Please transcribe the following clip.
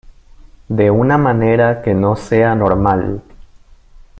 de una manera que no sea normal.